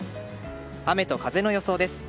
雨と風の予想です。